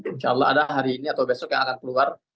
insya allah ada hari ini atau besok yang akan keluar